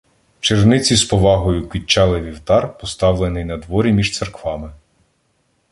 Черниці з повагою квітчали вівтар, поставлений надворі між церквами.